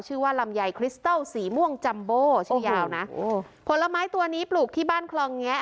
ชื่อว่าลำไยคริสตัลสีม่วงจัมโบชื่อยาวนะโอ้ผลไม้ตัวนี้ปลูกที่บ้านคลองแงะ